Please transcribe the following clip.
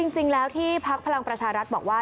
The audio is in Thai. จริงแล้วที่พักพลังประชารัฐบอกว่า